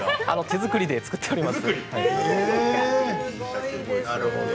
手作りで作っております。